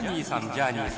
ジャーニーさん